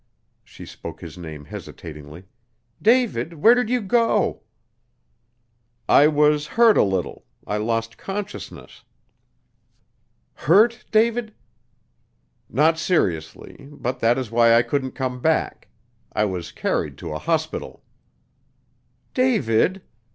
she spoke his name hesitatingly, "David, where did you go?" "I was hurt a little. I lost consciousness." "Hurt, David?" "Not seriously, but that is why I couldn't come back. I was carried to a hospital." "David!"